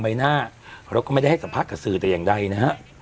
ใบหน้าแล้วก็ไม่ได้ให้สัมภาษณ์กับสื่อแต่อย่างใดนะฮะ